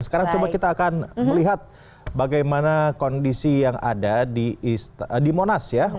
sekarang coba kita akan melihat bagaimana kondisi yang ada di monas ya